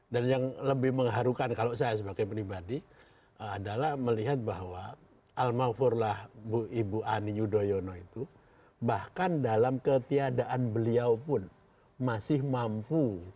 dan yang lebih mengharukan kalau saya sebagai pribadi adalah melihat bahwa al mawfurlah ibu ani yudhoyono itu bahkan dalam ketiadaan beliau pun masih mampu